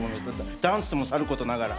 ダンスもさることながら。